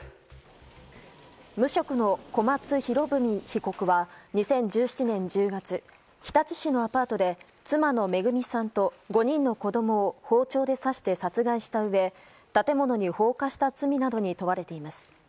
無職の小松博文被告は２０１７年１０月日立市のアパートで妻の恵さんと５人の子供を包丁で刺して殺害したうえ建物に放火した罪などに問われています。